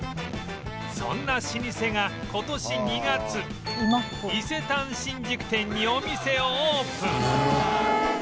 そんな老舗が今年２月伊勢丹新宿店にお店をオープン